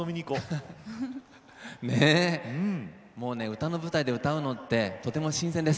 歌の舞台で歌うのってとても新鮮です。